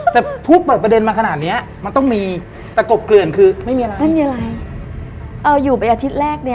แต่ผู้เปิดประเด็นมาขนาดเนี้ยมันต้องมี